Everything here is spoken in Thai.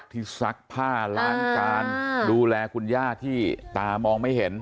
ที่ซักผ้าร้านการดูแลคุณย่าที่มองตาไม่เห็น